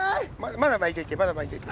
まだ巻いといてまだ巻いといて。